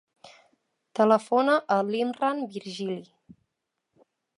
Telefona a l'Imran Virgili.